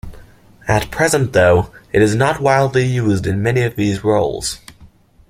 At present though, it is not widely used in any of these roles.